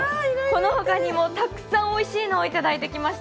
このほかにもたくさんおいしいのをいただいてきました。